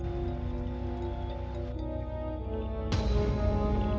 aku ingin tahu apa yang terjadi